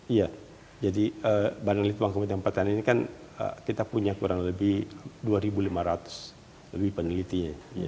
iya jadi penelitian pengembangan ini kan kita punya kurang lebih dua lima ratus penelitian